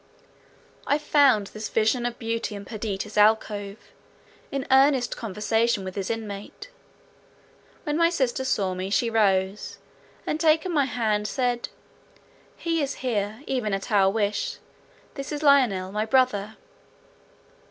I found this vision of beauty in Perdita's alcove, in earnest conversation with its inmate. When my sister saw me, she rose, and taking my hand, said, "He is here, even at our wish; this is Lionel, my brother."